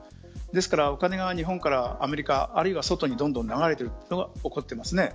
ですからお金が日本からアメリカあるいは外に流れていくのが起こってます。